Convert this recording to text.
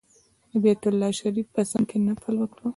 د بیت الله شریف په څنګ کې نفل وکړ.